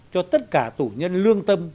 cho tất cả tù nhân lương tâm